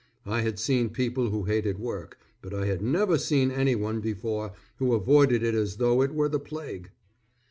I had seen people who hated work, but I had never seen anyone before who avoided it as though it were the plague.